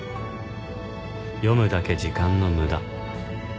読むだけ時間のムダ